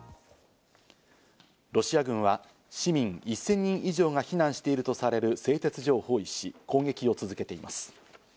ロシア軍は市民１０００人以上が避難しているとされる製鉄所を包囲し、攻撃を続けています。